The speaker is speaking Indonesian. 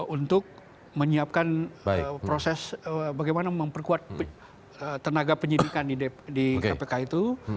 untuk menyiapkan proses bagaimana memperkuat tenaga penyidikan di kpk itu